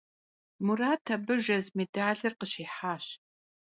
Murat abı jjez mêdalır khışihaş.